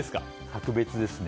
格別ですね。